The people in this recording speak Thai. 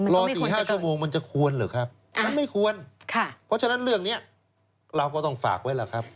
รอ๔๕ชั่วโมงมันจะควรเหรอครับมันไม่ควรเพราะฉะนั้นเรื่องนี้เราก็ต้องฝากไว้ล่ะครับ